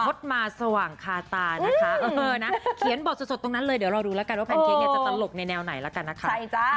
ดมาสว่างคาตานะคะเขียนบทสดตรงนั้นเลยเดี๋ยวรอดูแล้วกันว่าแพนเค้กเนี่ยจะตลกในแนวไหนแล้วกันนะคะ